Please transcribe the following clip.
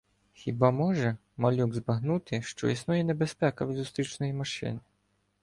Хіба може малюк збагнути, що існує небезпека від зустрічної машини?